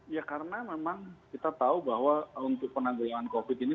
ya karena memang kita tahu bahwa untuk penanggulangan covid ini